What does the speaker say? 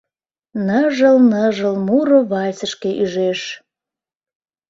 Ныжыл-ныжыл муро Вальсышке ӱжеш.